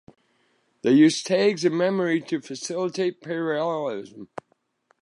They use tags in memory to facilitate parallelism.